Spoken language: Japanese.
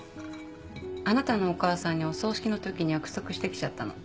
あなたのお母さんにお葬式の時に約束して来ちゃったの。